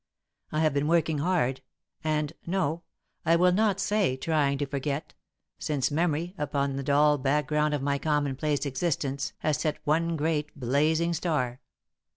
"I have been working hard, and no, I will not say 'trying to forget,' since memory, upon the dull background of my commonplace existence has set one great blazing star.